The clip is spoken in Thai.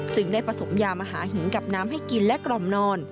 ได้ผสมยามหาหินกับน้ำให้กินและกล่อมนอน